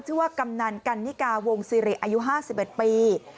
กำนันกันนิกาวงศิริอายุ๕๑ปี